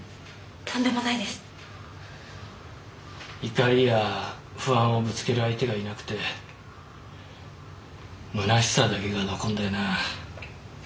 怒りや不安をぶつける相手がいなくてむなしさだけが残んだよな。